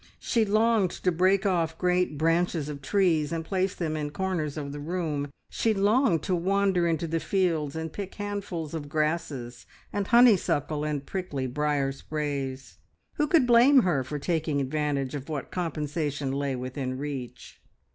She longed to break off great branches of trees, and place them in corners of the room; she longed to wander into the fields and pick handfuls of grasses, and honeysuckle, and prickly briar sprays. Who could blame her for taking advantage of what compensation lay within reach?